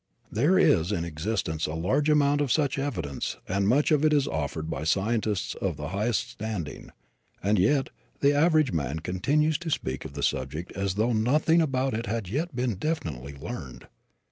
There is in existence a large amount of such evidence and much of it is offered by scientists of the highest standing; and yet the average man continues to speak of the subject as though nothing about it had yet been definitely learned.